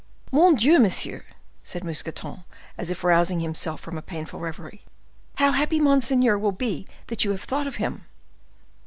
"Mon Dieu, monsieur!" said Mousqueton, as if rousing himself from a painful reverie; "how happy monseigneur will be that you have thought of him!"